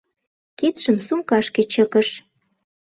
Кидшым сумкашке чыкыш.